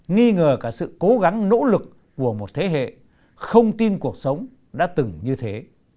nghi ngờ cả sự cố gắng nỗ lực của một thế hệ không tin cuộc sống đã từng như thế